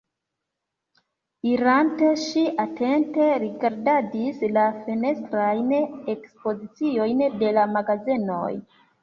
Irante, ŝi atente rigardadis la fenestrajn ekspoziciojn de la magazenoj.